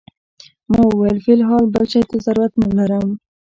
ما وویل فی الحال بل شي ته ضرورت نه شته.